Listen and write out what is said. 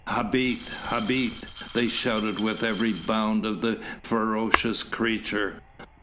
"Habet! Habet!" they shouted with every bound of the ferocious creature.